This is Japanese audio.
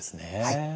はい。